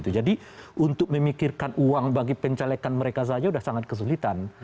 jadi untuk memikirkan uang bagi pencalekan mereka saja sudah sangat kesulitan